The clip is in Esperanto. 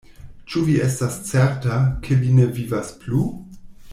Ĉu vi estas certa, ke li ne vivas plu?